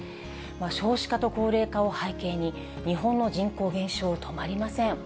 少子化と高齢化を背景に、日本の人口減少、止まりません。